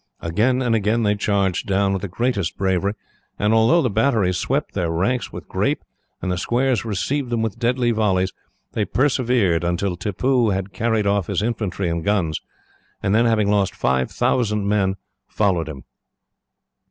Again and again they charged down, with the greatest bravery, and although the batteries swept their ranks with grape, and the squares received them with deadly volleys, they persevered until Tippoo had carried off his infantry and guns; and then, having lost five thousand men, followed him.